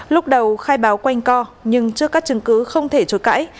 lúc đầu khai báo quanh co nhưng trước các chứng cứ không thể chối cãi